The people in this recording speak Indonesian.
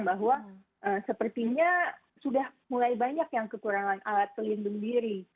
bahwa sepertinya sudah mulai banyak yang kekurangan alat pelindung diri